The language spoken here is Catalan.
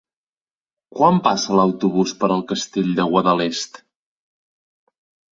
Quan passa l'autobús per el Castell de Guadalest?